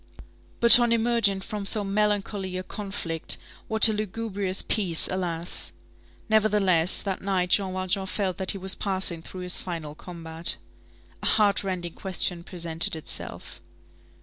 But on emerging from so melancholy a conflict, what a lugubrious peace, alas! Nevertheless, that night Jean Valjean felt that he was passing through his final combat. A heart rending question presented itself.